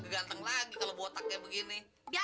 ganteng lagi begini